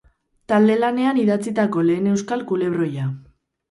Talde lanean idatzitako lehen euskal kulebroia.